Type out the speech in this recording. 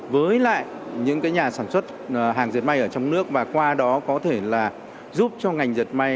với lại những nhà sản xuất hàng diệt may ở trong nước và qua đó có thể là giúp cho ngành dệt may